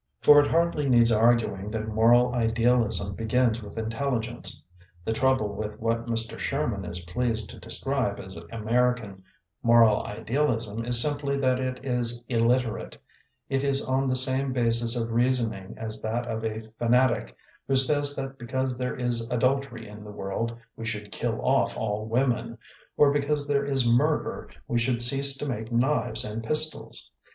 For it hardly needs arguing that moral idealism begins with intelligence; the trouble with what Mr. Sherman is pleased to describe as American moral idealism is simply that it is illiterate — it is on the same basis of reasoning as that of a fanatic who says that be cause there is adultery in the world, we should kill off all women, or be cause there is murder, we should cease to make knives and pistols.